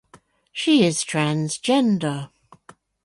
She is transgender.